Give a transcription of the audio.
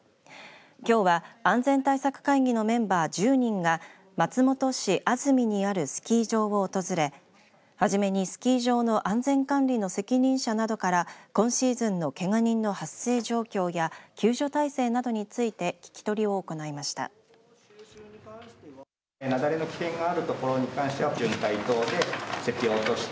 きょうは安全対策会議のメンバー１０人が松本市安曇にあるスキー場を訪れはじめにスキー場の安全管理の責任者などから今シーズンのけが人の発生状況や救助体制などについて聞き取りを行いました。